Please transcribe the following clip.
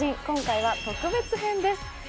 今回は特別編です